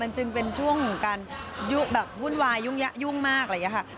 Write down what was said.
มันจึงเป็นช่วงของการยุ่งแบบวุ่นวายยุ่งมากอะไรอย่างนี้ค่ะ